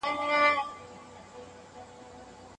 تاسو په ټولنیزو رسنیو کې ناسم خبرونه مه خپروئ.